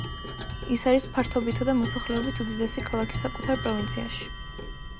ის არის ფართობითა და მოსახლეობით უდიდესი ქალაქი საკუთარ პროვინციაში.